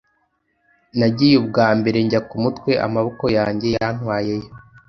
Nagiye ubwambere njya kumutwe, amaboko yanjye yantwayeyo.